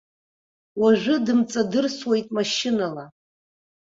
Уажәы дымҵадырсуеит машьынала.